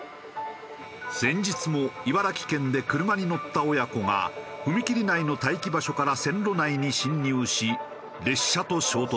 先日も茨城県で車に乗った親子が踏切内の待機場所から線路内に進入し列車と衝突。